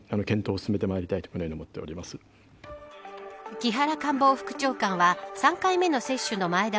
木原官房副長官は３回目の接種の前倒